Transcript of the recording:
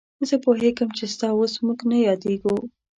زه پوهېږم چې ستا اوس موږ نه یادېږو.